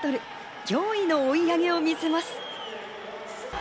驚異の追い上げを見せます。